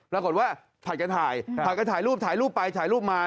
ปรากฏว่าผัดกันถ่ายผัดกันถ่ายรูปถ่ายรูปไปถ่ายรูปมา